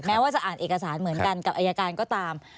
ว่าจะอ่านเอกสารเหมือนกันกับอายการก็ตาม